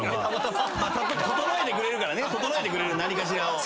整えてくれるからね整えてくれる何かしらを。